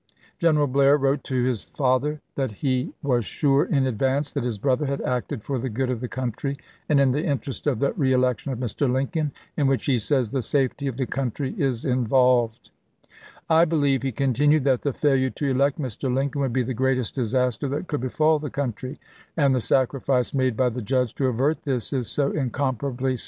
General Blair wrote to his father that he was sure in advance that his brother had acted for the good of the country, and in the interest of the reelection of Mr. Lincoln, in which he says " the safety of the country is involved." "I believe," he continued, "that the failure to elect Mr. Lincoln would be the greatest disaster that could befall the country, and the sacrifice made by the Judge to avert this is so incomparably small Lincoln to Blair, Sept. 23, 1864.